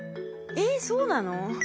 えそうなの？